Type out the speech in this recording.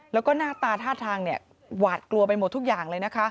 แล้วก็หน้าตาท่าทางหวาดกลัวไปหมดทุกอย่างเลยนะคะ